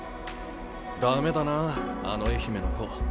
駄目だなあの愛媛の子。